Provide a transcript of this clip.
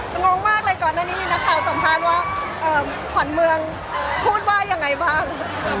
ต้องไม่ก็นานนี้นะค่ะสัมภาษณ์ว่าขวัญเมืองพูดว่ายังไงบ้าง